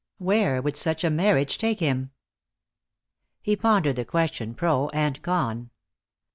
Where would such a marriage take him? He pondered the question pro and con.